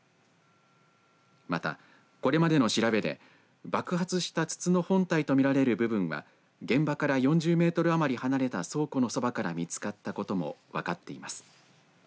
また、これまでの調べで爆発した筒の本体と見られる部分は現場から４０メートル余り離れた倉庫のそばから見つかったことも分かっています。